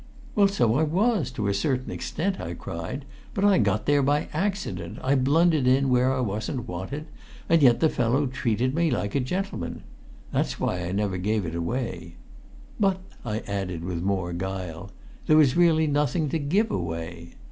"Well, so I was, to a certain extent," I cried; "but I got there by accident, I blundered in where I wasn't wanted, and yet the fellow treated me like a gentleman! That's why I never gave it away. But," I added with more guile, "there was really nothing to give away."